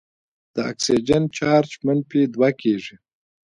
د اکسیجن چارج منفي دوه کیږي.